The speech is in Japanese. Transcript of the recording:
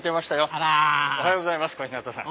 あらおはようございます小日向さん。